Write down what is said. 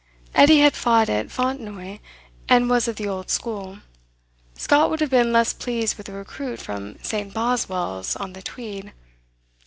Edie had fought at Fontenoy, and was of the old school. Scott would have been less pleased with a recruit from St. Boswells, on the Tweed.